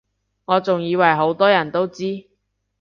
我仲以爲好多人都知